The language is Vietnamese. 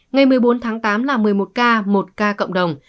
ngày một mươi bốn tháng tám là một mươi một ca một ca cộng đồng